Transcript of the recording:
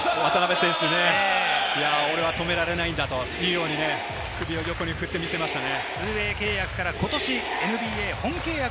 俺は止められないんだというように、首を横に振って見せましたね。